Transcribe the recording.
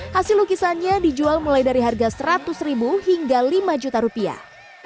hasil lukisannya dijual mulai dari harga seratus ribu hingga lima juta rupiah